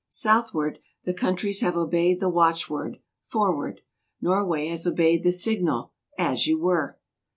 Southward, the countries have obeyed the watchword, " Forward !" Nor way has obeyed the signal, "As you were